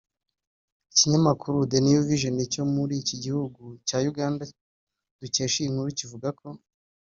Ikinyamakuru The New Vision cyo muri iki gihugu cya Uganda dukesha iyi nkuru kivuga ko